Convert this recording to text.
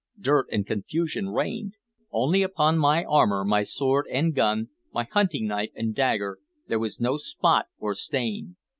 Dirt and confusion reigned; only upon my armor, my sword and gun, my hunting knife and dagger, there was no spot or stain.